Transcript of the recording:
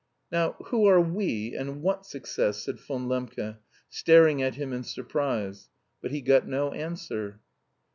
"Now, who are 'we,' and what success?" said Von Lembke, staring at him in surprise. But he got no answer.